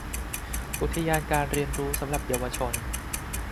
อุทยานการเรียนรู้สำหรับเยาวชน